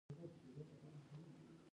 زما برخه چیرې ده؟